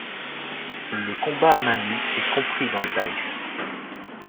Le combats à main nu est compris dans le tarif